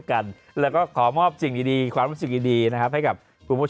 แข็งดีกว่าอ่อนบ้าง